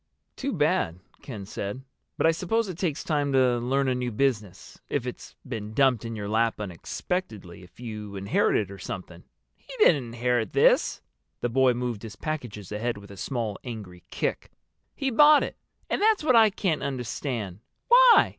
"Too bad," Ken said. "But I suppose it takes time to learn a new business, if it's been dumped in your lap unexpectedly—if you inherit it or something." "He didn't inherit this." The boy moved his packages ahead with a small angry kick. "He bought it. And that's what I can't understand. Why?